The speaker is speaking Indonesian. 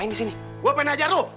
iya si sue baru dateng nih